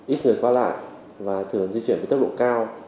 ít người qua lại và thường di chuyển với tốc độ cao